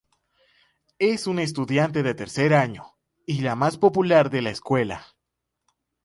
Es una estudiante de tercer año, y la más popular de la escuela.